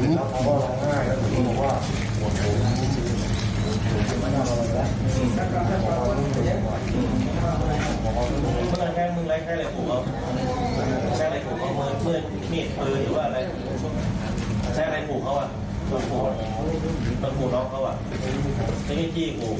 ต้องกูร้องเข้าอ่ะต้องกูร้องเข้าอ่ะไม่ได้ที่อีกกู